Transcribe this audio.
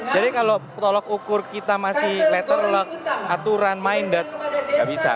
jadi kalau tolok ukur kita masih letter lock aturan minded nggak bisa